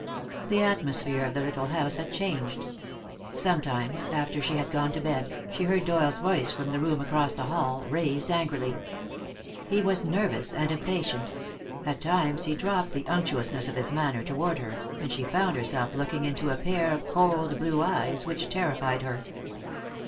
The atmosphere of the little house had changed. Sometimes, after she had gone to bed, she heard Doyle's voice from the room across the hall, raised angrily. He was nervous and impatient; at times he dropped the unctuousness of his manner toward her, and she found herself looking into a pair of cold blue eyes which terrified her.